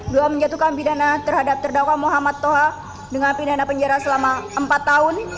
dua menjatuhkan pidana terhadap terdakwa muhammad toha dengan pidana penjara selama empat tahun